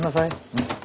うん。